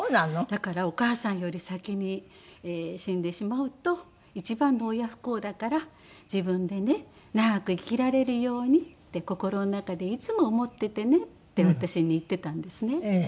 だからお母さんより先に死んでしまうと一番の親不孝だから自分でね長く生きられるようにって心の中でいつも思っててねって私に言ってたんですね。